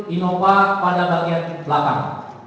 innova pada bagian belakang